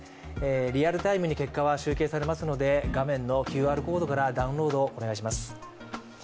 リアルタイムに結果は集計されますので画面のＱＲコードからダウンロードお願いします